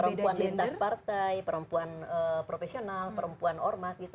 perempuan lintas partai perempuan profesional perempuan ormas gitu